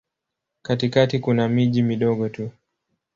Katikati kuna miji midogo tu.